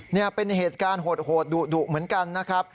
นี่เป็นเหตุการณ์โหดดุเหมือนกันนะครับ